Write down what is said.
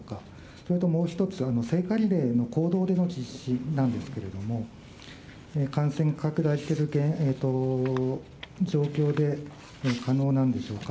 それともう一つ、聖火リレーの公道での実施なんですけれども、感染拡大している状況で可能なんでしょうか。